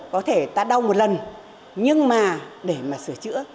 có thể ta đau một lần nhưng mà để mà sửa chữa